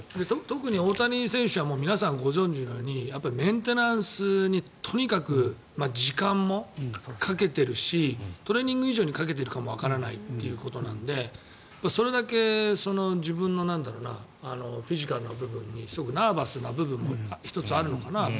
特に大谷選手は皆さんご存じのようにメンテナンスにとにかく時間もかけてるしトレーニング以上にかけているかもわからないということなのでそれだけ自分のフィジカルな部分にすごくナーバスな部分も１つあるのかなと。